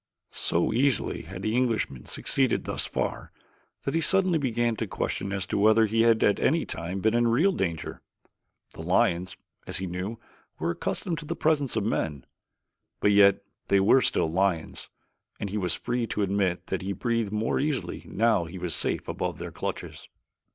So easily had the Englishman succeeded thus far that he suddenly began to question as to whether he had at any time been in real danger. The lions, as he knew, were accustomed to the presence of men, but yet they were still lions and he was free to admit that he breathed more easily now that he was safe above their clutches.